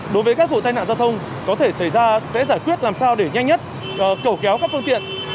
đối với các vụ tai nạn giao thông có thể xảy ra sẽ giải quyết làm sao để nhanh nhất cẩu kéo các phương tiện